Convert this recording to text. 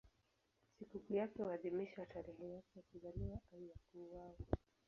Sikukuu yake huadhimishwa tarehe yake ya kuzaliwa au ya kuuawa.